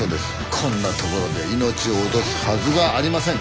こんなところで命を落とすはずがありません！